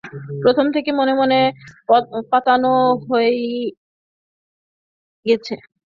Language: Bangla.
প্রথম থেকে মনে মনে পাতানো হয়েই গেছে।